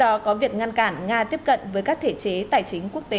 trong đó có việc ngăn cản nga tiếp cận với các thể chế tài chính quốc tế